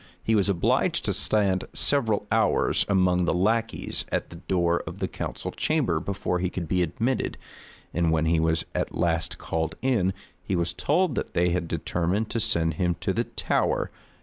He was obliged to stand several hours among the lackeys at the door of the council chamber before he could be admitted; and when he was at last called in, he was told that they had determined to send him to the Tower.